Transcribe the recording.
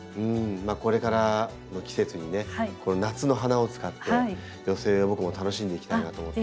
これからの季節にね夏の花を使って寄せ植えを僕も楽しんでいきたいなと思って。